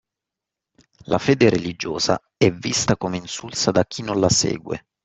La fede religiosa è vista come insulsa da chi non la segue.